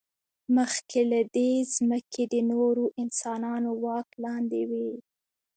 مخکې له دې، ځمکې د نورو انسانانو واک لاندې وې.